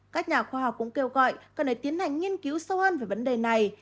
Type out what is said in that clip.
các nhà khoa học cũng kêu gọi cần phải tiến hành nghiên cứu sâu hơn về vấn đề này